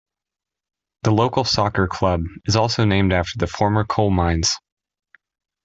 The local soccer club is also named after the former coal mines.